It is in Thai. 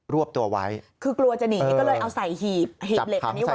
วบตัวไว้คือกลัวจะหนีก็เลยเอาใส่หีบหีบเหล็กอันนี้ไว้